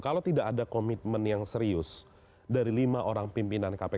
kalau tidak ada komitmen yang serius dari lima orang pimpinan kpk